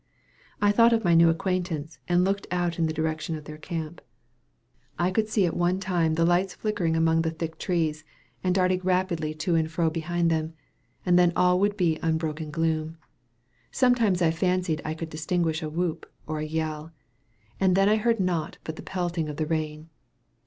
I thought of my new acquaintance, and looked out in the direction of their camp. I could see at one time the lights flickering among the thick trees, and darting rapidly to and fro behind them, and then all would be unbroken gloom. Sometimes I fancied I could distinguish a whoop or yell, and then I heard nought but the pelting of the rain.